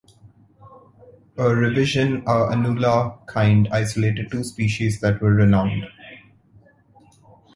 A revision a Inula kind isolated two species that were renowned.